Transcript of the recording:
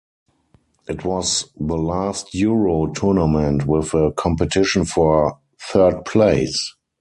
It was the last Euro tournament with a competition for third place.